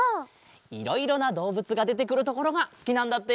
いろいろなどうぶつがでてくるところがすきなんだって。